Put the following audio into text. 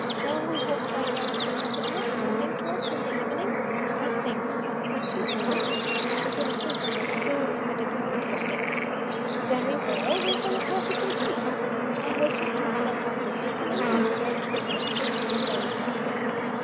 Shall we have my young prima donna to sing to us in the evening? think so. She is pretty; she will assist in obscuring the deformity of Dexter. Very well; there is our party complete! I will shut myself up this evening and approach the question of dinner with my cook.